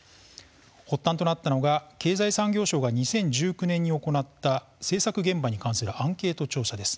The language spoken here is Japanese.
発端となったのが経済産業省が２０１９年に行った制作現場に関するアンケート調査です。